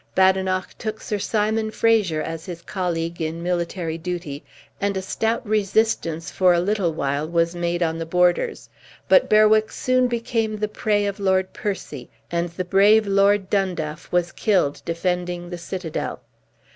Badenoch took Sir Simon Fraser as his colleague in military duty, and a stout resistance for a little while was made on the borders; but Berwick soon became the prey of Lord Percy, and the brave Lord Dundaff was killed defending the citadel.